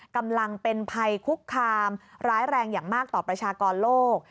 กำลังเป็นภัยคุกคามร้ายแรงอย่างมากต่อประชากรโลก